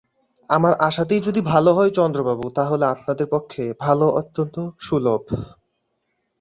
আমার আসাতেই যদি ভালো হয় চন্দ্রবাবু, তা হলে আপনাদের পক্ষে ভালো অত্যন্ত সুলভ।